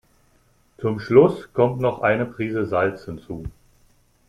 Zum Schluss kommt noch eine Prise Salz hinzu.